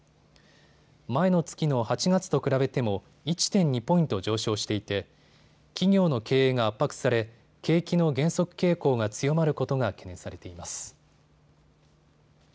前の月の８月と比べても１．２ポイント上昇していて企業の経営が圧迫され景気の減速傾向が強まることが懸念されています。